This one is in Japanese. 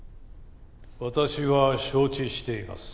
私は承知しています。